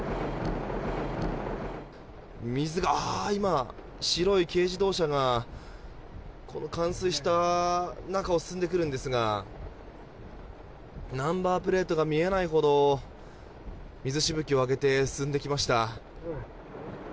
今、白い軽自動車が冠水した中を進んでくるんですがナンバープレートが見えないほど水しぶきを上げて進んできました。